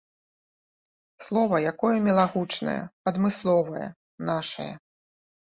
Слова якое мілагучнае, адмысловае, нашае.